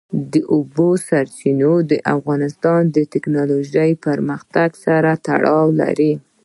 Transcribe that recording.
د اوبو سرچینې د افغانستان د تکنالوژۍ پرمختګ سره تړاو لري.